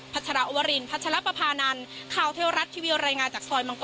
ชรวรินพัชรปภานันข่าวเทวรัฐทีวีรายงานจากซอยมังกร